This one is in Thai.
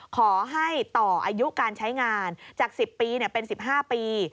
ขอให้ต่ออายุการใช้งานจาก๑๐ปีเป็น๑๕ปี